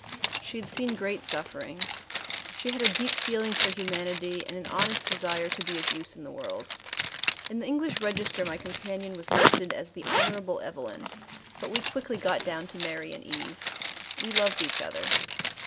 She had seen great suffering; she had a deep feeling for humanity and an honest desire to be of use in the world. In the English register my companion was listed as the Honorable Evelyn, but we quickly got down to Mary and Eve. We loved each other.